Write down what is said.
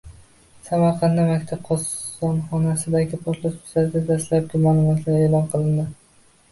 Samarqandda maktab qozonxonasidagi portlash yuzasidan dastlabki ma’lumotlar e’lon qilindi